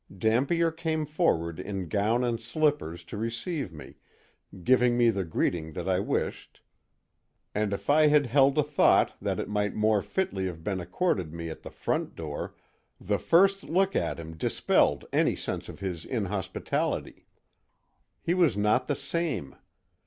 Dampier came forward in gown and slippers to receive me, giving me the greeting that I wished, and if I had held a thought that it might more fitly have been accorded me at the front door the first look at him dispelled any sense of his inhospitality. He was not the same.